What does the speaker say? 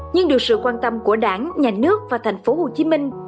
nhưng được sự quan tâm của đảng nhà nước và thành phố hồ chí minh